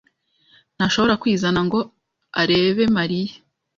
ntashobora kwizana ngo arebe Mariya.